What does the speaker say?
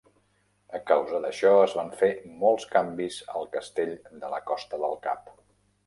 A causa d'això, es van fer molts canvis al castell de la Costa del Cap.